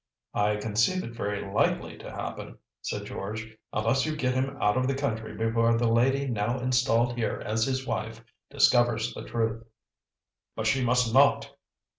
"I conceive it very likely to happen," said George, "unless you get him out of the country before the lady now installed here as his wife discovers the truth." "But she must not!"